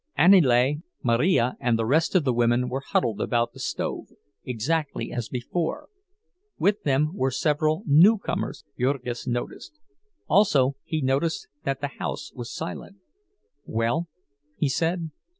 Aniele, Marija, and the rest of the women were huddled about the stove, exactly as before; with them were several newcomers, Jurgis noticed—also he noticed that the house was silent. "Well?" he said.